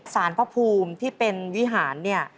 สารพระภูมิที่เป็นวิหารเนี่ย